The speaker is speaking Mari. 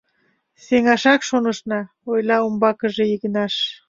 Сеҥашак шонышна, — ойла умбакыже Игнаш.